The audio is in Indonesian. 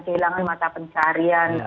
kehilangan mata pencarian